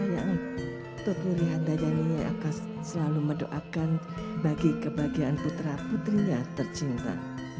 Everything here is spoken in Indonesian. mendengarkan nasihat kedua orang tuanya ibu dan ayah yang teturi hantar nyanyi akan selalu mendoakan bagi kebahagiaan putra putrinya tercinta